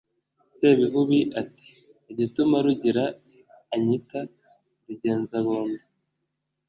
sebihubi ati: “igituma rugira anyita rugenzabondo